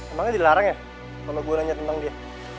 emangnya dilarang ya kalo gua nanya tentang dia